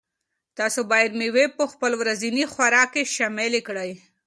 تاسو باید مېوې په خپل ورځني خوراک کې شاملې کړئ.